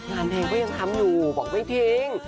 งานเพลงก็ยังทำอยู่บอกไม่ทิ้ง